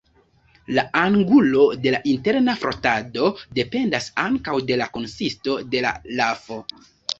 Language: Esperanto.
La angulo de la interna frotado dependas ankaŭ de la konsisto de la lafo.